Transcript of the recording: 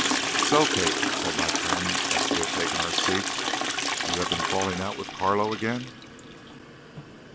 "So Kate," said my friend, after we had taken our seats, "you have been falling out with Carlo again."